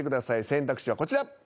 選択肢はこちら。